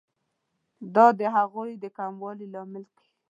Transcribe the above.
دا د هغوی د کموالي لامل کیږي.